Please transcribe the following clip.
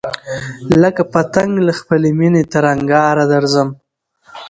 لکه پتڼ له خپلی مېني تر انگاره درځم